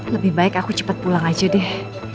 lebih baik aku cepat pulang aja deh